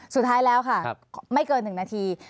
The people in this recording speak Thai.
สุดท้ายแล้วค่ะครับไม่เกินหนึ่งนาที